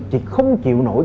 chỉ không chịu nổi